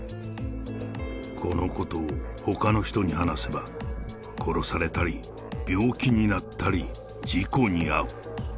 このことをほかの人に話せば、殺されたり、病気になったり、事故に遭う。